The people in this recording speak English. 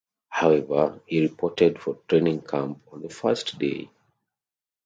However, he reported for training camp on the first day.